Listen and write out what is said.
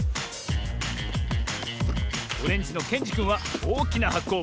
オレンジのけんじくんはおおきなはこをもってきたぞ。